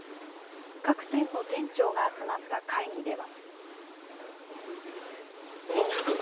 各店の店長が集まった会議では。